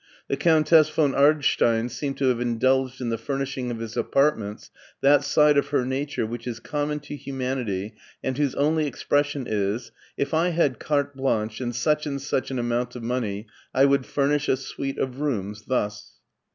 The Countess von Ardstein seemed to have indulged in the furnishing of his apartments that side of her nature which is common to humanity and whose only expres sion is, " If I had carte blanche and such and such an amount of money, I would furnish a suite of rooms thus."